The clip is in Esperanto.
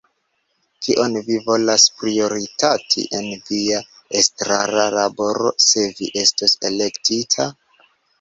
Kion vi volas prioritati en via estrara laboro, se vi estos elektita?